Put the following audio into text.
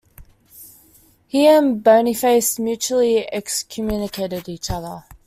He and Boniface mutually excommunicated each other.